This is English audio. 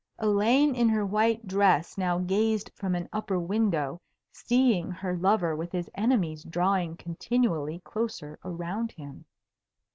Elaine in her white dress now gazed from an upper window, seeing her lover with his enemies drawing continually closer around him.